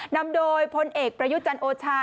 นำโดยพลเอกประยุจันทร์โอชา